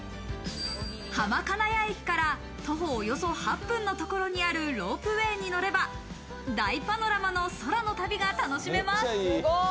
浜金谷駅から徒歩およそ８分のところにあるロープウェーに乗れば大パノラマの空の旅が楽しめます。